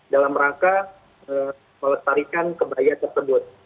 dalam rangka melestarikan kebaya tersebut